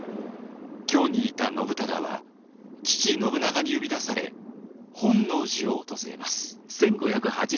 京にいた信忠は父信長に呼び出され本能寺を訪れます。